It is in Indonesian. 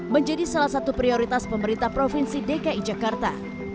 menjadi salah satu prioritas pemerintah provinsi dki jakarta